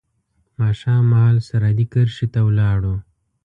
ماښام مهال سرحدي کرښې ته ولاړو.